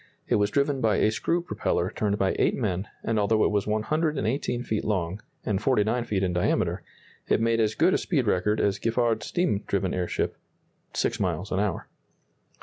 It was driven by a screw propeller turned by eight men, and although it was 118 feet long, and 49 feet in diameter, it made as good a speed record as Giffard's steam driven airship six miles an hour.